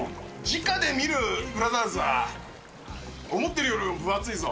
じかで見るブラザーズは、思っているよりも分厚いぞ。